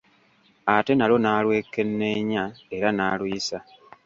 Ate nalwo n'alwekenneenya era n’aluyisa.